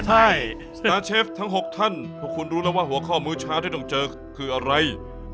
ใช่สตาร์เชฟทั้ง๖ท่านพวกคุณรู้แล้วว่าหัวข้อมือเช้าที่ต้องเจอคืออะไร